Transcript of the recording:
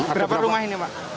berapa rumah ini pak